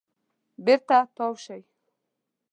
بېرته تاو شئ .